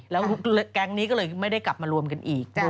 แล้วแก๊งนี้ก็เลยไม่ได้กลับมารวมกันอีก